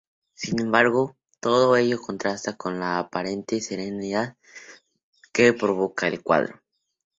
Sin embargo, todo ello contrasta con la aparente serenidad que provoca el cuadro.